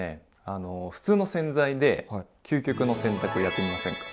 あの普通の洗剤で究極の洗濯やってみませんか？